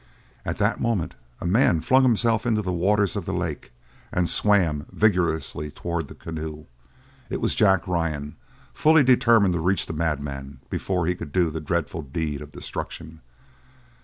At that moment a man flung himself into the waters of the lake, and swam vigorously towards the canoe. It was Jack Ryan, fully determined to reach the madman before he could do the dreadful deed of destruction.